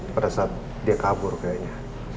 pada saat dia kabur kayaknya